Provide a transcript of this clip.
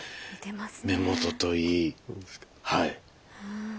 目元といいはい。